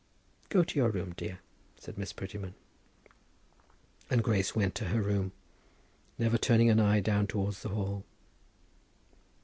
"Go to your room, dear," said Miss Prettyman. And Grace went to her room, never turning an eye down towards the hall.